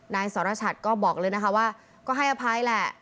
นายสรชัดก็บอกเลยนะคะว่าก็ให้อภัยแหละ